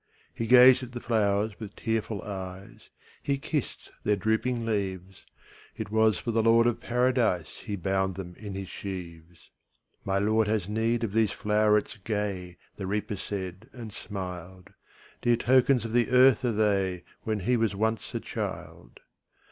'' He gazed at the flowers with tearful eyes, He kissed their drooping leaves; It was for the Lord of Paradise He bound them in his sheaves. ``My Lord has need of these flowerets gay,'' The Reaper said, and smiled; ``Dear tokens of the earth are they, Where he was once a child.